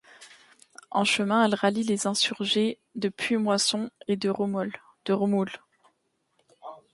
En chemin, elle rallie les insurgés de Puimoisson et de Roumoules.